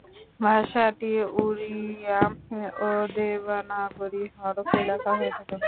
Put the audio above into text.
ভাষাটি ওড়িয়া ও দেবনাগরী হরফে লেখা হয়ে থাকে।